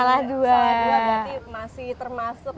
salah dua berarti masih termasuk milenial lah